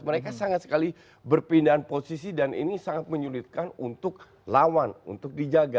mereka sangat sekali berpindahan posisi dan ini sangat menyulitkan untuk lawan untuk dijaga